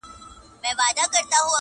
مور د ټولني فشار زغمي ډېر,